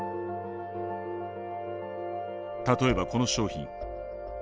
例えばこの商品。